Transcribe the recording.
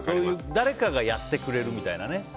誰かがやってくれるみたいなね。